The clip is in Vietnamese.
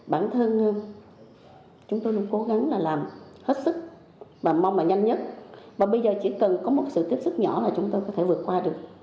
bản thân chúng tôi luôn cố gắng là làm hết sức và mong là nhanh nhất và bây giờ chỉ cần có một sự tiếp sức nhỏ là chúng tôi có thể vượt qua được